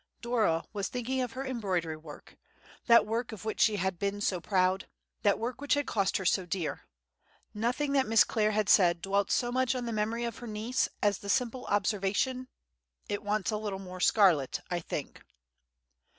Dora was thinking of her embroidery work—that work of which she had been so proud, that work which had cost her so dear. Nothing that Miss Clare had said dwelt so much on the memory of her niece as the simple observation, "It wants a little more scarlet, I think."